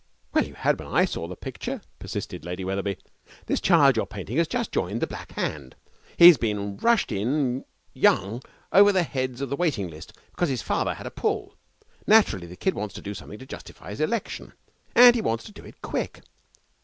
'Well, you had when I saw the picture,' persisted Lady Wetherby. 'This child you're painting has just joined the Black Hand. He has been rushed in young over the heads of the waiting list because his father had a pull. Naturally the kid wants to do something to justify his election, and he wants to do it quick.